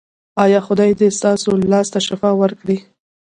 ایا خدای دې ستاسو لاس ته شفا ورکړي؟